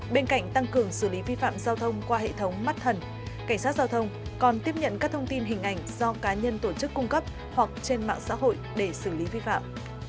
bên cạnh tăng cường xử lý vi phạm giao thông qua hệ thống mắt thần cảnh sát giao thông còn tiếp nhận các thông tin hình ảnh do cá nhân tổ chức cung cấp hoặc trên mạng xã hội để xử lý vi phạm